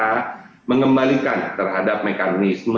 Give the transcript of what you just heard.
kita mengembalikan terhadap mekanisme